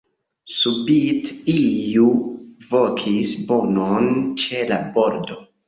Subite iu vokis bonon ĉe la bordo.